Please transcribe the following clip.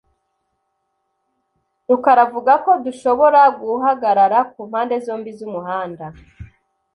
rukara avuga ko dushobora guhagarara ku mpande zombi z'umuhanda .